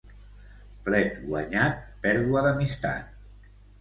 Plet guanyat, pèrdua d'amistat.